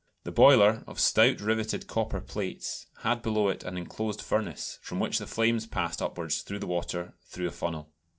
The boiler, of stout riveted copper plates, had below it an enclosed furnace, from which the flames passed upwards through the water through a funnel.